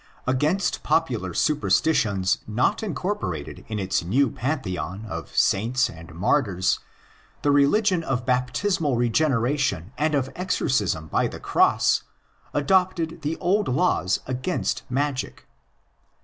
Against popular superstitions not incorporated in its new pantheon of saints and martyrs, the religion of baptismal regenera | tion and of exorcism by the cross adopted the old laws ᾿ς against '"'magic."